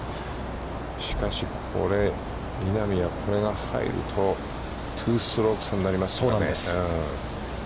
しかし、これ、稲見は、これが入ると、２ストローク差になりますからね。